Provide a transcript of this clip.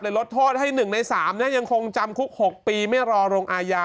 ลดโทษให้๑ใน๓ยังคงจำคุก๖ปีไม่รอลงอาญา